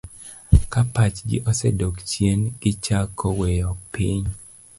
Ka pachgi osedok chien, gichako weyo piny.